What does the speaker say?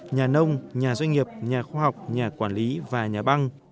nhà nông nhà doanh nghiệp nhà khoa học nhà quản lý và nhà băng